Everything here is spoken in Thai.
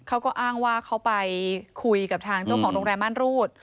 เขาก็อ้างว่าเขาไปคุยกับทางเจ้าของโรงแรมม่านรูด